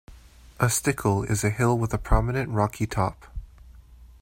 A "stickle" is a hill with a prominent rocky top.